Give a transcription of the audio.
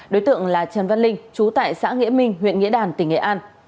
đối tượng là trần văn linh chú tại xã nghĩa minh huyện nghĩa đàn tỉnh nghệ an